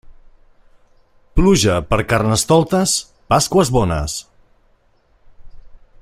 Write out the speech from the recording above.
Pluja per Carnestoltes, Pasqües bones.